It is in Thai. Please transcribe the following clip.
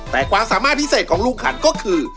แต่ความสามารถพิเศษของลุงขันก็คือ